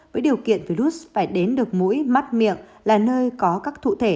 với điều kiện virus phải đến được mũi mắt miệng là nơi có các cụ thể